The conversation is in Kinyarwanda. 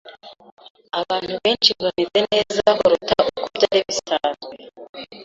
Abantu benshi bameze neza kuruta uko byari bisanzwe.